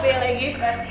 terima kasih ibi